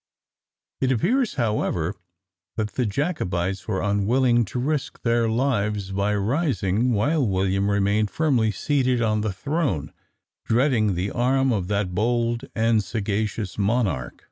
It appears, however, that the Jacobites were unwilling to risk their lives by rising while William remained firmly seated on the throne, dreading the arm of that bold and sagacious monarch.